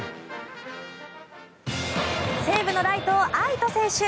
西武のライト愛斗選手。